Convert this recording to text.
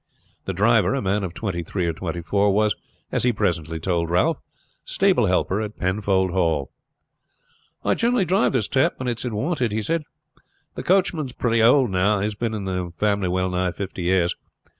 The driver, a man of twenty three or twenty four, was, as he presently told Ralph, stable helper at Penfold Hall. "I generally drive this trap when it is wanted," he said. "The coachman is pretty old now. He has been in the family well nigh fifty years.